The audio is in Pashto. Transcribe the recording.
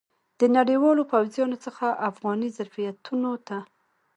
د نړیوالو پوځیانو څخه افغاني ظرفیتونو ته.